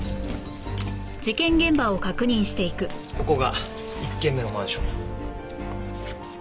ここが１件目のマンションだ。